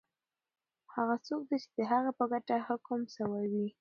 هغه څوک دی چی د هغه په ګټه حکم سوی وی؟